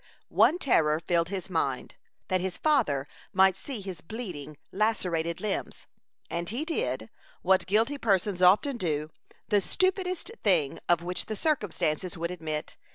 One terror filled his mind that his father might see his bleeding, lacerated limbs; and he did, what guilty persons often do, the stupidest thing of which the circumstances would admit.